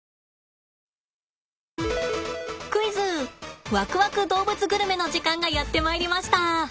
クイズわくわく動物グルメの時間がやってまいりました！